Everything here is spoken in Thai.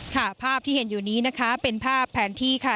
ภาพที่เห็นอยู่นี้นะคะเป็นภาพแผนที่ค่ะ